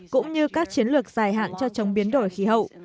cũng như các chiến lược dài hạn để cắt giảm khí thải